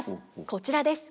こちらです。